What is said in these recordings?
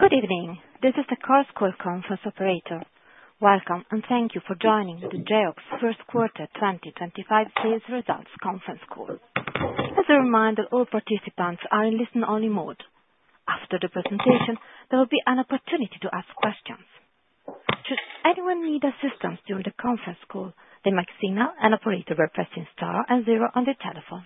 Good evening. This is the cars call conference operator. Welcome, and thank you for joining the Geox first quarter 2025 sales results conference call. As a reminder, all participants are in listen-only mode. After the presentation, there will be an opportunity to ask questions. Should anyone need assistance during the conference call, they may signal an operator by pressing star and zero on their telephone.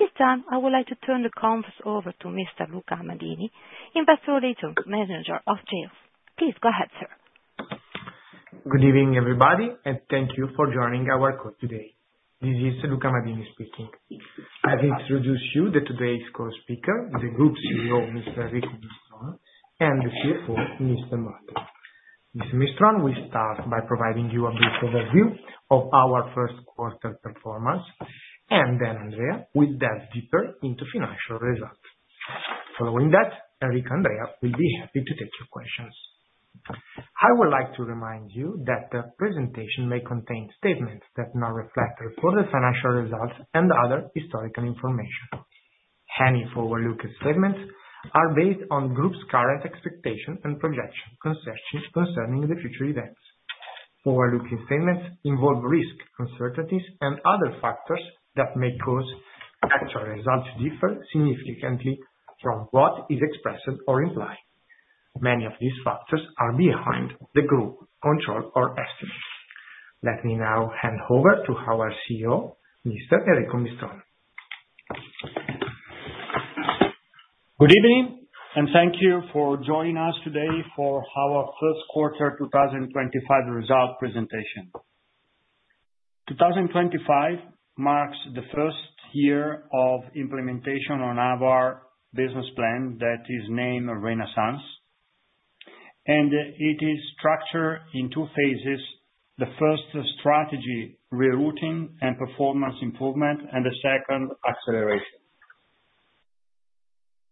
At this time, I would like to turn the conference over to Mr. Luca Amadini, Investor Relations Manager of Geox. Please go ahead, sir. Good evening, everybody, and thank you for joining our call today. This is Luca Amadini speaking. I'll introduce you to today's call speaker, the Group CEO, Mr. Enrico Mistron, and the CFO, Mr. Maldi. Mr. Mistron, we start by providing you a brief overview of our first quarter performance, and then, Andrea, we'll delve deeper into financial results. Following that, Enrico and Andrea will be happy to take your questions. I would like to remind you that the presentation may contain statements that do not reflect the reported financial results and other historical information. Any forward-looking statements are based on the Group's current expectations and projections concerning the future events. Forward-looking statements involve risk, uncertainties, and other factors that may cause actual results to differ significantly from what is expressed or implied. Many of these factors are behind the Group control or estimates. Let me now hand over to our CEO, Mr. Enrico Mistron. Good evening, and thank you for joining us today for our First Quarter 2025 result presentation. 2025 marks the first year of implementation on our business plan that is named RENAISSANCE, and it is structured in two phases: the first, strategy rerouting and performance improvement, and the second, acceleration.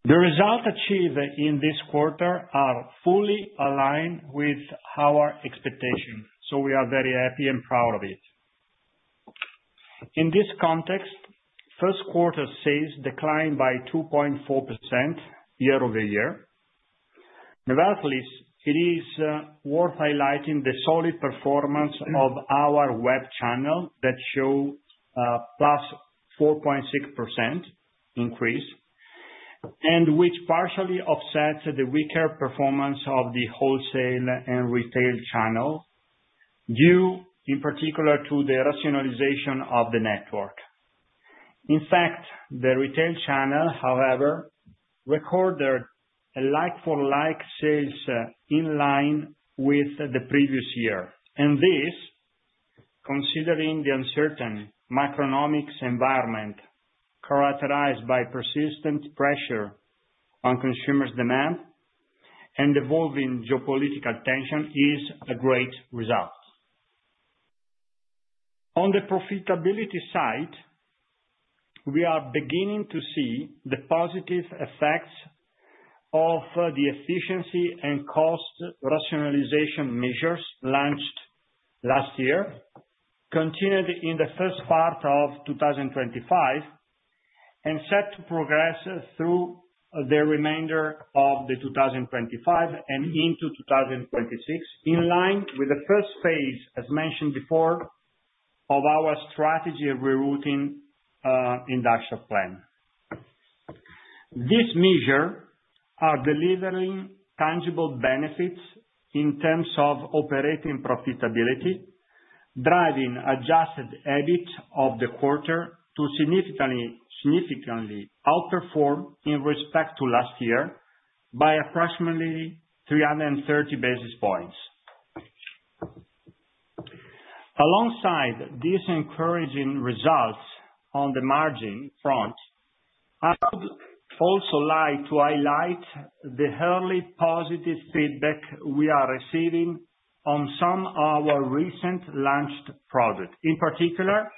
The results achieved in this quarter are fully aligned with our expectations, so we are very happy and proud of it. In this context, First Quarter sales declined by 2.4% year-over-year. Nevertheless, it is worth highlighting the solid performance of our web channel that showed a plus 4.6% increase, and which partially offsets the weaker performance of the wholesale and retail channel due, in particular, to the rationalization of the network. In fact, the retail channel, however, recorded a like-for-like sales in line with the previous year, and this, considering the uncertain macroeconomic environment characterized by persistent pressure on consumer demand and evolving geopolitical tension, is a great result. On the profitability side, we are beginning to see the positive effects of the efficiency and cost rationalization measures launched last year, continued in the first part of 2025, and set to progress through the remainder of 2025 and into 2026, in line with the first phase, as mentioned before, of our strategy rerouting induction plan. These measures are delivering tangible benefits in terms of operating profitability, driving adjusted EBIT of the quarter to significantly outperform in respect to last year by approximately 330 basis points. Alongside these encouraging results on the margin front, I would also like to highlight the early positive feedback we are receiving on some of our recently launched products. In particular,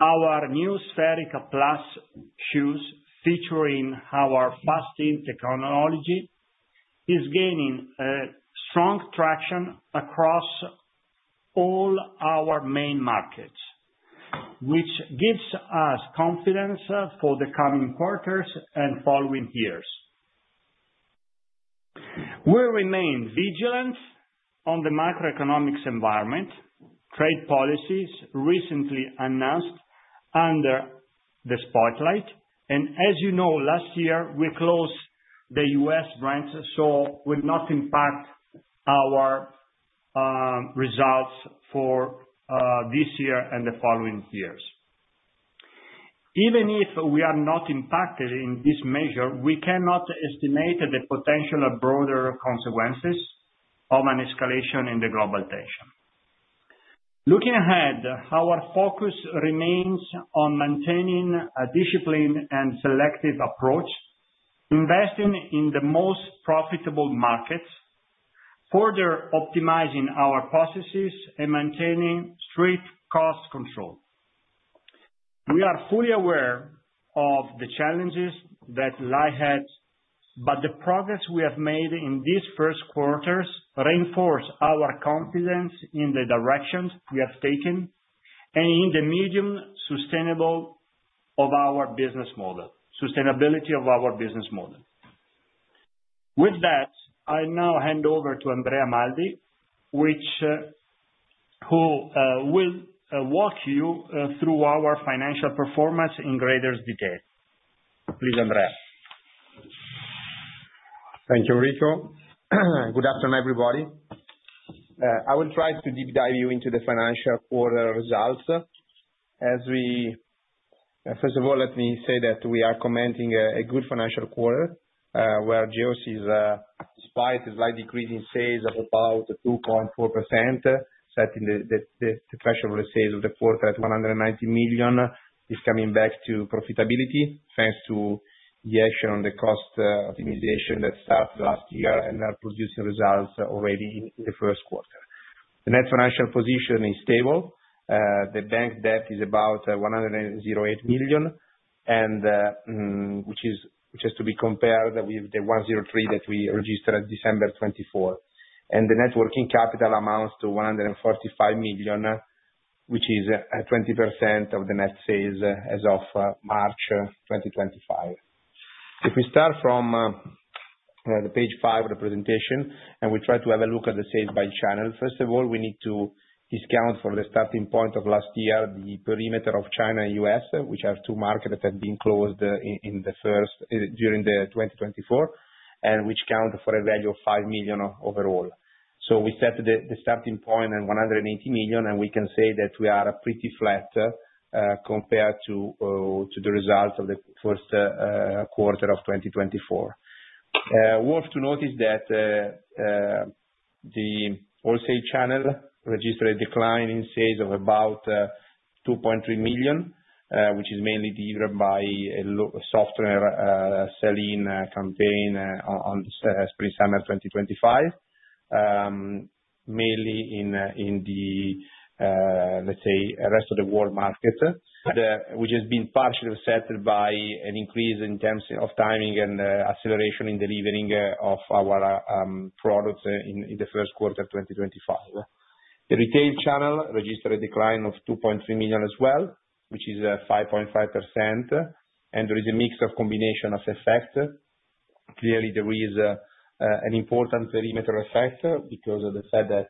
our new Spherica Plus shoes featuring our fast in technology is gaining strong traction across all our main markets, which gives us confidence for the coming quarters and following years. We remain vigilant on the macroeconomic environment. Trade policies recently announced under the spotlight, and as you know, last year we closed the U.S. branch, so it will not impact our results for this year and the following years. Even if we are not impacted in this measure, we cannot estimate the potential broader consequences of an escalation in the global tension. Looking ahead, our focus remains on maintaining a disciplined and selective approach, investing in the most profitable markets, further optimizing our processes, and maintaining strict cost control. We are fully aware of the challenges that lie ahead, but the progress we have made in these first quarters reinforces our confidence in the directions we have taken and in the medium sustainability of our business model. With that, I now hand over to Andrea Maldi, who will walk you through our financial performance in greater detail. Please, Andrea. Thank you, Enrico. Good afternoon, everybody. I will try to deep dive you into the financial quarter results. First of all, let me say that we are commending a good financial quarter where Geox is, despite a slight decrease in sales of about 2.4%, setting the threshold of the sales of the quarter at 190 million, is coming back to profitability thanks to the action on the cost optimization that started last year and are producing results already in the first quarter. The net financial position is stable. The bank debt is about 108 million, which has to be compared with the 103 million that we registered at December 2024. And the net working capital amounts to 145 million, which is 20% of the net sales as of March 2025. If we start from page five of the presentation and we try to have a look at the sales by channel, first of all, we need to discount for the starting point of last year the perimeter of China and U.S., which are two markets that have been closed during 2024 and which account for a value of 5 million overall. So we set the starting point at 180 million, and we can say that we are pretty flat compared to the result of the first quarter of 2024. Worth to note is that the wholesale channel registered a decline in sales of about 2.3 million, which is mainly delivered by a softer selling campaign on Spring/Summer 2025, mainly in the, let's say, rest of the world market, which has been partially set by an increase in terms of timing and acceleration in delivering of our products in the first quarter of 2025. The retail channel registered a decline of 2.3 million as well, which is 5.5%, and there is a mix of combination of effects. Clearly, there is an important perimeter effect because of the fact that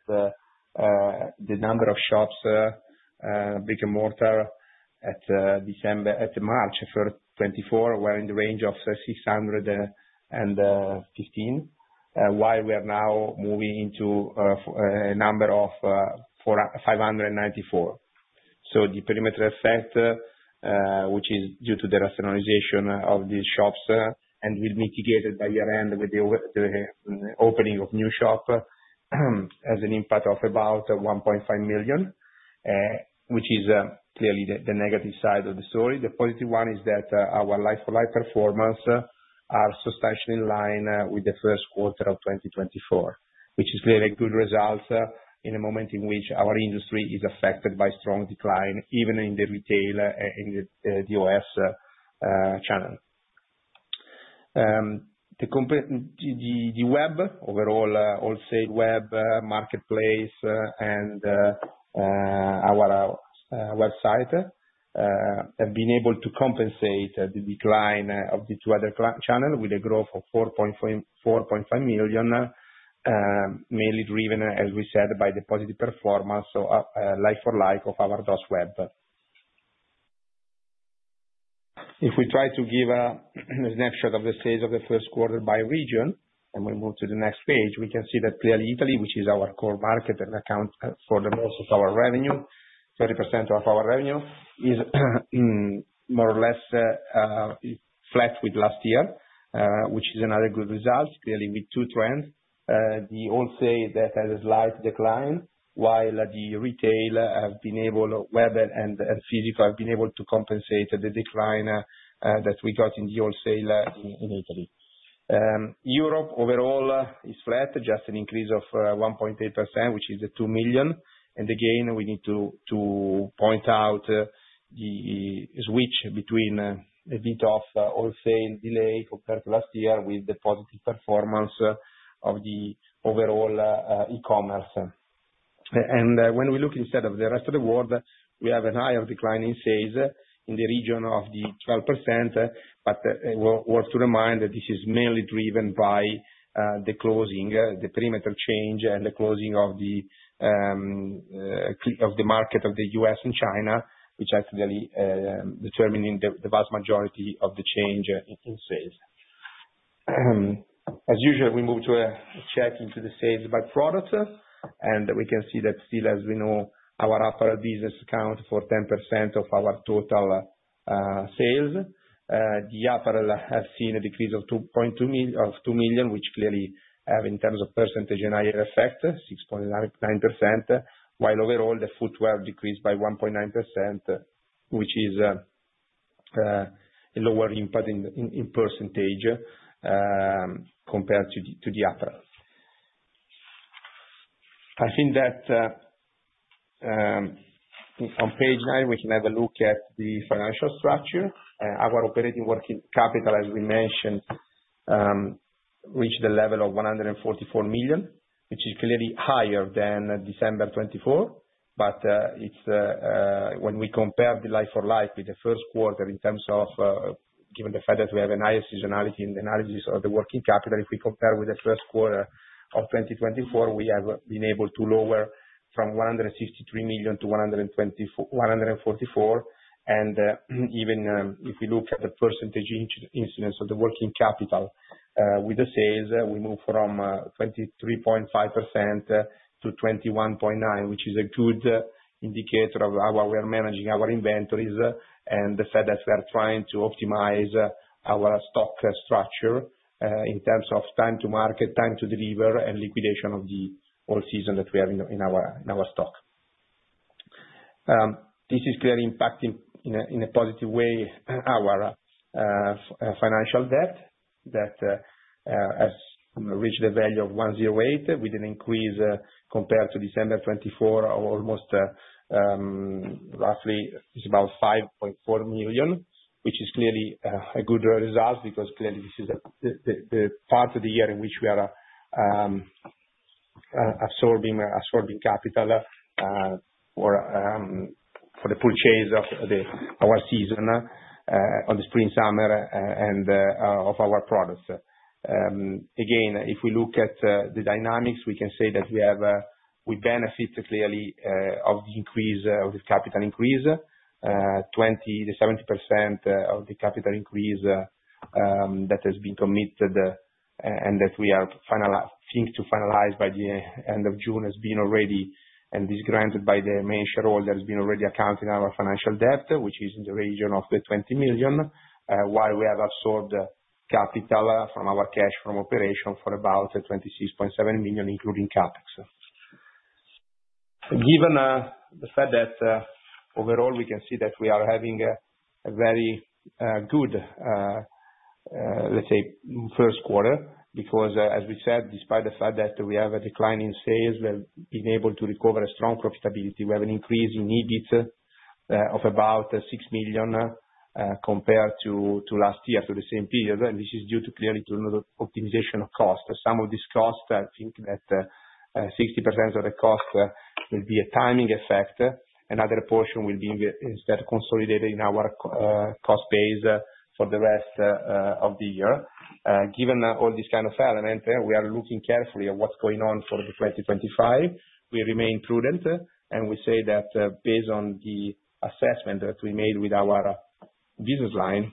the number of shops, brick and mortar, at March 2024 were in the range of 615, while we are now moving into a number of 594. The perimeter effect, which is due to the rationalization of these shops and will be mitigated by year-end with the opening of new shops, has an impact of about 1.5 million, which is clearly the negative side of the story. The positive one is that our like-for-like performance is substantially in line with the first quarter of 2024, which is clearly a good result in a moment in which our industry is affected by strong decline, even in the retail and the U.S. channel. The web, overall, wholesale web marketplace and our website have been able to compensate the decline of the two other channels with a growth of 4.5 million, mainly driven, as we said, by the positive performance of like-for-like of our DOS WEB. If we try to give a snapshot of the sales of the first quarter by region and we move to the next page, we can see that clearly Italy, which is our core market and accounts for most of our revenue, 30% of our revenue, is more or less flat with last year, which is another good result, clearly with two trends. The wholesale that has a slight decline, while the retail have been able, web and physical, have been able to compensate the decline that we got in the wholesale in Italy. Europe overall is flat, just an increase of 1.8%, which is 2 million. We need to point out the switch between a bit of wholesale delay compared to last year with the positive performance of the overall e-commerce. When we look instead at the rest of the world, we have a higher decline in sales in the region of 12%, but it is worth reminding that this is mainly driven by the closing, the perimeter change, and the closing of the market of the U.S. and China, which actually determined the vast majority of the change in sales. As usual, we move to a check into the sales by product, and we can see that still, as we know, our upper business accounts for 10% of our total sales. The upper has seen a decrease of 2 million, which clearly, in terms of percentage, is a higher effect, 6.9%, while overall the footwear decreased by 1.9%, which is a lower impact in percentage compared to the upper. I think that on page nine, we can have a look at the financial structure. Our operating working capital, as we mentioned, reached the level of 144 million, which is clearly higher than December 2024, but when we compare the like-for-like with the first quarter in terms of, given the fact that we have a higher seasonality in the analysis of the working capital, if we compare with the first quarter of 2024, we have been able to lower from 163 million-144 million. Even if we look at the percentage incidence of the working capital with the sales, we move from 23.5%-21.9%, which is a good indicator of how we are managing our inventories and the fact that we are trying to optimize our stock structure in terms of time to market, time to deliver, and liquidation of the whole season that we have in our stock. This is clearly impacting in a positive way our financial debt that has reached the value of 108 million with an increase compared to December 2024, almost roughly about 5.4 million, which is clearly a good result because clearly this is the part of the year in which we are absorbing capital for the purchase of our season on the Spring/Summer and of our products. Again, if we look at the dynamics, we can say that we benefit clearly of the increase of the capital increase, 20%-70% of the capital increase that has been committed and that we are seeking to finalize by the end of June has been already, and this is granted by the main shareholder, has been already accounting our financial debt, which is in the region of 20 million, while we have absorbed capital from our cash from operation for about 26.7 million, including CapEx. Given the fact that overall we can see that we are having a very good, let's say, first quarter because, as we said, despite the fact that we have a decline in sales, we have been able to recover a strong profitability. We have an increase in EBIT of about 6 million compared to last year for the same period, and this is due clearly to an optimization of cost. Some of this cost, I think that 60% of the cost will be a timing effect, and another portion will be instead consolidated in our cost base for the rest of the year. Given all these kinds of elements, we are looking carefully at what's going on for 2025. We remain prudent, and we say that based on the assessment that we made with our business line,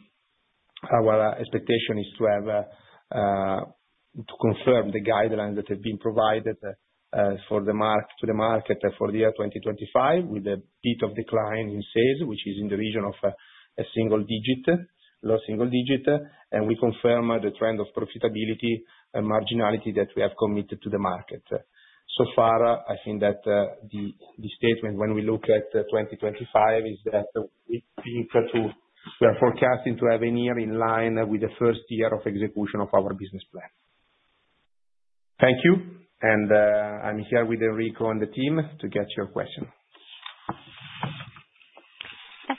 our expectation is to confirm the guidelines that have been provided to the market for the year 2025 with a bit of decline in sales, which is in the region of a single digit, low single digit, and we confirm the trend of profitability and marginality that we have committed to the market. I think that the statement when we look at 2025 is that we are forecasting to have a year in line with the first year of execution of our business plan. Thank you, and I'm here with Enrico and the team to get your question.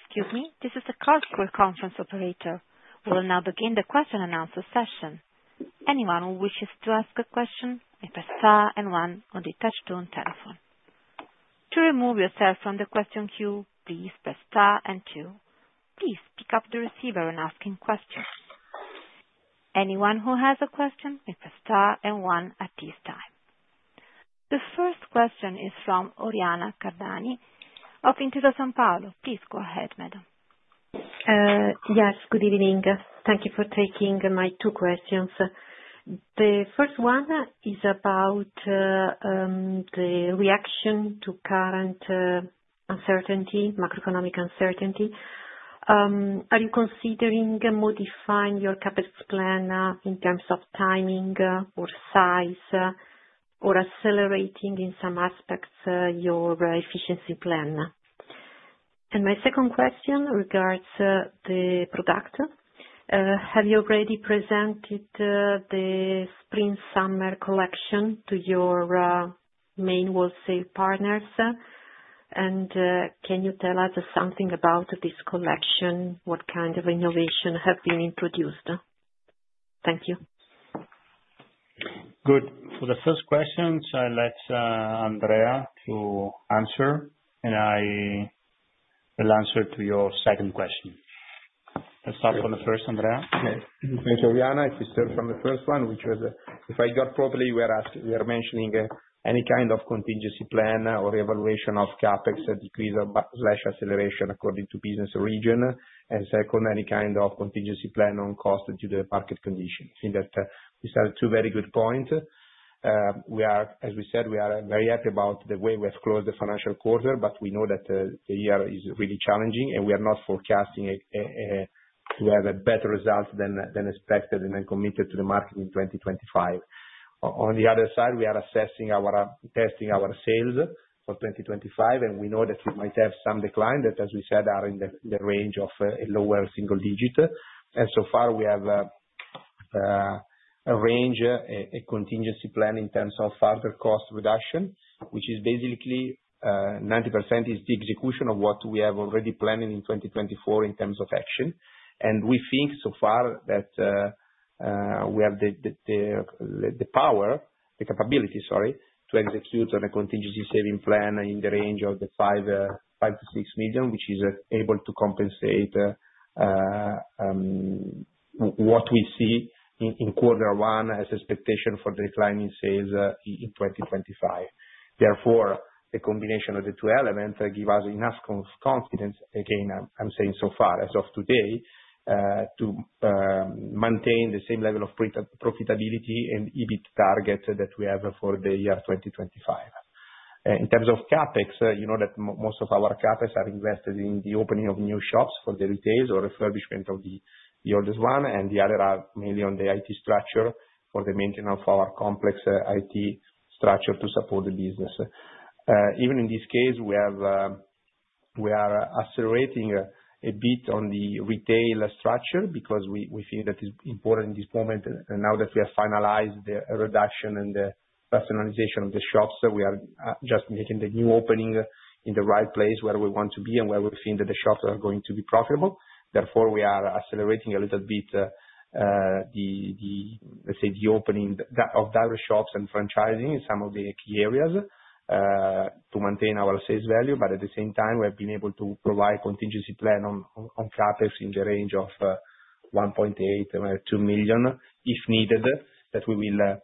Excuse me, this is the call for conference operator. We will now begin the question and answer session. Anyone who wishes to ask a question may press star and one on the touch-tone telephone. To remove yourself from the question queue, please press star and two. Please pick up the receiver when asking questions. Anyone who has a question may press star and one at this time. The first question is from Oriana Cardani of Intesa Sanpaolo. Please go ahead, madam. Yes, good evening. Thank you for taking my two questions. The first one is about the reaction to current uncertainty, macroeconomic uncertainty. Are you considering modifying your CapEx plan in terms of timing or size or accelerating in some aspects your efficiency plan? My second question regards the product. Have you already presented the Spring/Summer collection to your main wholesale partners? Can you tell us something about this collection, what kind of innovation has been introduced? Thank you. Good. For the first question, I'll let Andrea answer, and I will answer your second question. Let's start from the first, Andrea. Thank you, Oriana. It's the third from the first one, which was, if I got properly, we are mentioning any kind of contingency plan or evaluation of CapEx decrease/acceleration according to business region. The second, any kind of contingency plan on cost due to the market conditions. I think that these are two very good points. As we said, we are very happy about the way we have closed the financial quarter, but we know that the year is really challenging, and we are not forecasting to have a better result than expected and then committed to the market in 2025. On the other side, we are assessing our testing our sales for 2025, and we know that we might have some decline that, as we said, are in the range of a lower single digit. So far, we have arranged a contingency plan in terms of further cost reduction, which is basically 90% the execution of what we have already planned in 2024 in terms of action. We think so far that we have the power, the capability, sorry, to execute on a contingency saving plan in the range of 5 million-6 million, which is able to compensate what we see in quarter one as expectation for the decline in sales in 2025. Therefore, the combination of the two elements gives us enough confidence, again, I'm saying so far as of today, to maintain the same level of profitability and EBIT target that we have for the year 2025. In terms of CapEx, you know that most of our CapEx are invested in the opening of new shops for the retail or refurbishment of the oldest one, and the other are mainly on the IT structure for the maintenance of our complex IT structure to support the business. Even in this case, we are accelerating a bit on the retail structure because we feel that it's important in this moment. Now that we have finalized the reduction and the rationalization of the shops, we are just making the new opening in the right place where we want to be and where we think that the shops are going to be profitable. Therefore, we are accelerating a little bit the, let's say, the opening of direct shops and franchising in some of the key areas to maintain our sales value. At the same time, we have been able to provide contingency plan on CapEx in the range of 1.8 million-2 million, if needed, that we will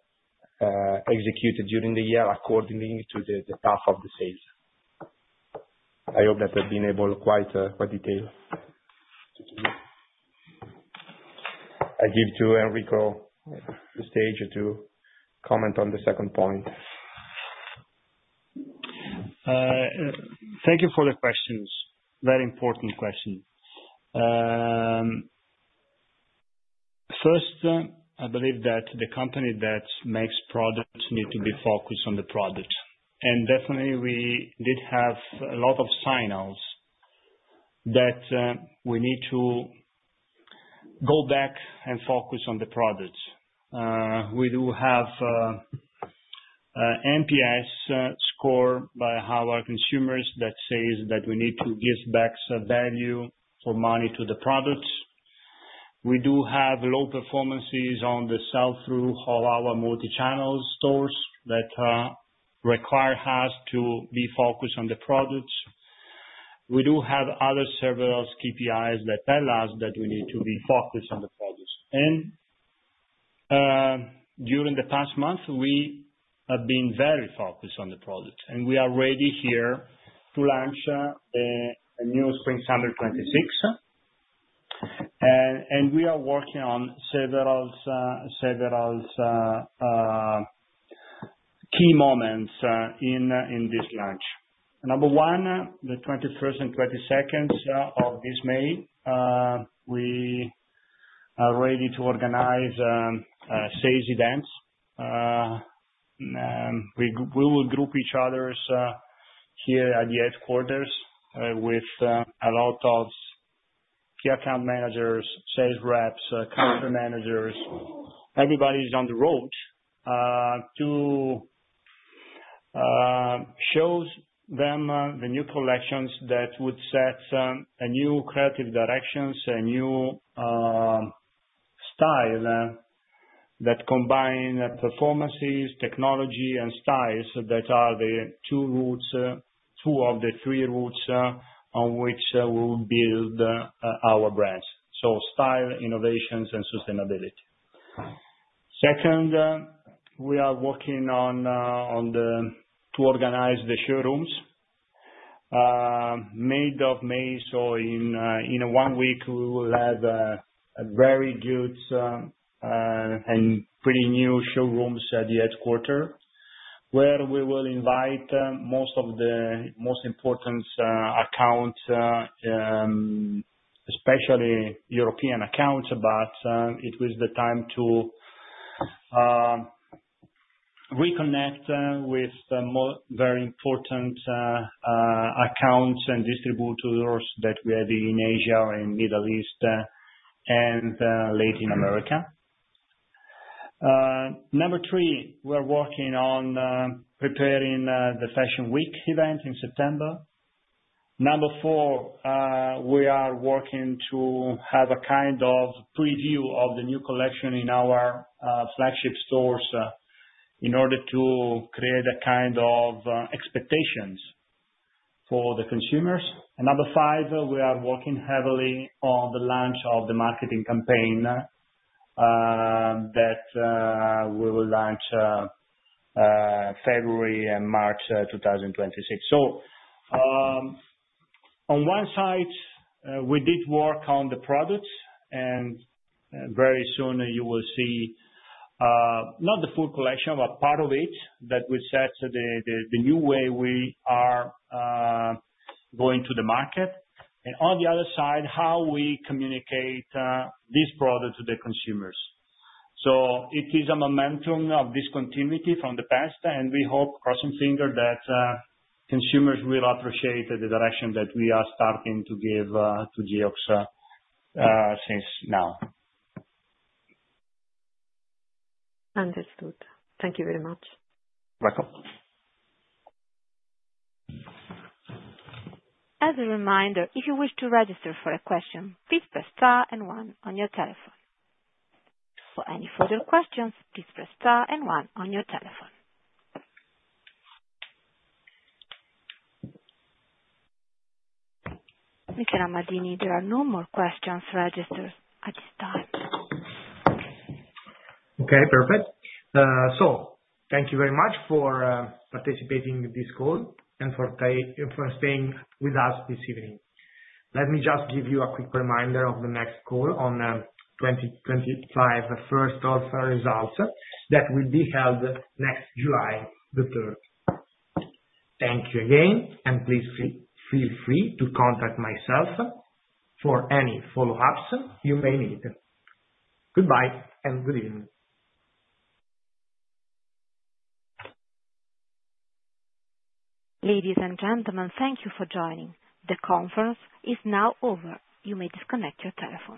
execute during the year accordingly to the path of the sales. I hope that I've been able to quite detail. I give to Enrico the stage to comment on the second point. Thank you for the questions. Very important question. First, I believe that the company that makes products needs to be focused on the products. Definitely, we did have a lot of sign-ups that we need to go back and focus on the products. We do have NPS scored by our consumers that says that we need to give back some value for money to the products. We do have low performances on the sell-through, all our multi-channel stores that require us to be focused on the products. We do have other several KPIs that tell us that we need to be focused on the products. During the past month, we have been very focused on the products, and we are ready here to launch a new Spring/Summer 2026. We are working on several key moments in this launch. Number one, the 21st and 22nd of this May, we are ready to organize sales events. We will group each other here at the headquarters with a lot of key account managers, sales reps, counter managers. Everybody is on the road to show them the new collections that would set a new creative direction, a new style that combines performances, technology, and styles that are the two routes, two of the three routes on which we will build our brands. Style, innovations, and sustainability. Second, we are working to organize the showrooms. May of May, so in one week, we will have a very good and pretty new showrooms at the headquarters, where we will invite most of the most important accounts, especially European accounts, but it was the time to reconnect with very important accounts and distributors that we have in Asia and Middle East and Latin America. Number three, we are working on preparing the Fashion Week event in September. Number four, we are working to have a kind of preview of the new collection in our flagship stores in order to create a kind of expectations for the consumers. Number five, we are working heavily on the launch of the marketing campaign that we will launch February and March 2026. On one side, we did work on the products, and very soon you will see not the full collection, but part of it that will set the new way we are going to the market. On the other side, how we communicate this product to the consumers. It is a momentum of discontinuity from the past, and we hope, crossing fingers, that consumers will appreciate the direction that we are starting to give to Geox since now. Understood. Thank you very much. Welcome. As a reminder, if you wish to register for a question, please press star and one on your telephone. For any further questions, please press star and one on your telephone. Mr. Amadini, there are no more questions registered at this time. Okay, perfect. Thank you very much for participating in this call and for staying with us this evening. Let me just give you a quick reminder of the next call in 2025, the first of results that will be held next July, the 3rd. Thank you again, and please feel free to contact myself for any follow-ups you may need. Goodbye and good evening. Ladies and gentlemen, thank you for joining. The conference is now over. You may disconnect your telephone.